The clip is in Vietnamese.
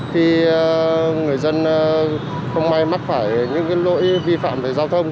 khi người dân không may mắc phải những lỗi vi phạm về giao thông